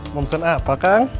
mau pesen apa kang